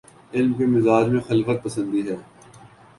علم کے مزاج میں خلوت پسندی ہے۔